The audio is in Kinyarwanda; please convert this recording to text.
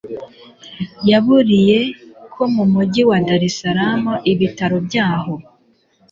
yaburiye ko mu mujyi wa Dar es Salaam ibitaro byaho